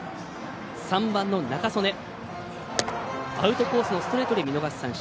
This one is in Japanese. ３番、仲宗根、アウトコースのストレートで見逃し三振。